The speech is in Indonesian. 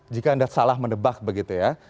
jika anda salah mendebak begitu ya